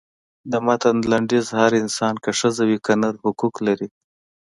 د متن لنډیز هر انسان که ښځه وي که نر حقوق لري.